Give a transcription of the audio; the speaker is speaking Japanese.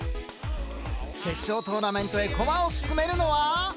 決勝トーナメントへ駒を進めるのは？